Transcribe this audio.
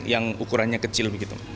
yang ukurannya kecil